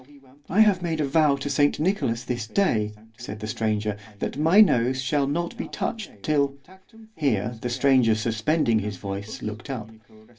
I have made a vow to saint Nicolas this day, said the stranger, that my nose shall not be touched till—Here the stranger suspending his voice, looked up.